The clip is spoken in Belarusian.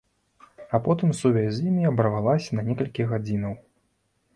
А потым сувязь з імі абарвалася на некалькі гадзінаў.